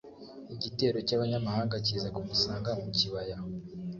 igitero cy'abanyamahanga kiza kimusanga mu kibaya